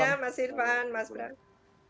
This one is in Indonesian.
iya mas irvan mas brank